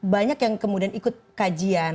banyak yang kemudian ikut kajian